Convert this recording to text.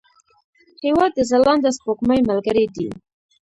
هېواد د ځلانده سپوږمۍ ملګری دی.